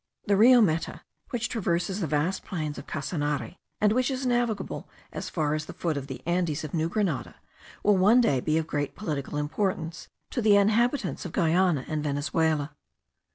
The Rio Meta, which traverses the vast plains of Casanare, and which is navigable as far as the foot of the Andes of New Grenada, will one day be of great political importance to the inhabitants of Guiana and Venezuela.